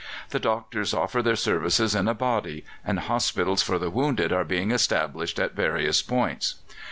The doctors offer their services in a body, and hospitals for the wounded are being established at various points.